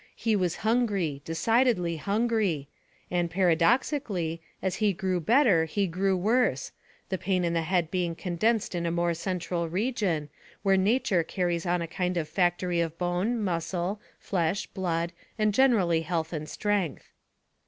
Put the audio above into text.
He was hungry, decidedly hungry; and paradoxically, as he grew better he grew worse, the pain in the head being condensed in a more central region, where nature carries on a kind of factory of bone, muscle, flesh, blood, and generally health and strength.